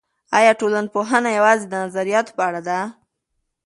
ایا ټولنپوهنه یوازې د نظریاتو په اړه ده؟